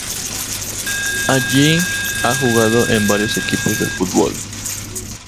Allí ha jugado en varios equipos de fútbol.